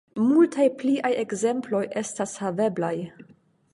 Multaj pliaj ekzemploj estas haveblaj.